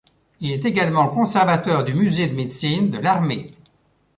Il est également conservateur du Musée de médecine de l’armée.